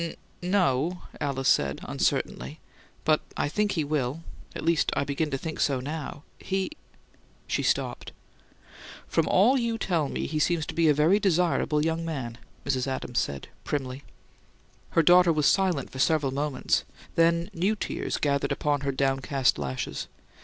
"N no," Alice said, uncertainly. "But I think he will. At least I begin to think so now. He " She stopped. "From all you tell me, he seems to be a very desirable young man," Mrs. Adams said, primly. Her daughter was silent for several moments; then new tears gathered upon her downcast lashes.